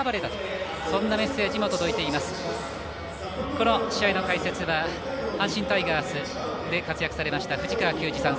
この試合の解説は阪神タイガースで活躍されました藤川球児さん